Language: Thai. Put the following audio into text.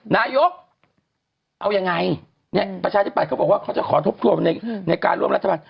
นายกเอายังไงเนี่ยประชาธิบัตย์เขาบอกว่าเขาจะขอทบทวนในการร่วมรัฐบาล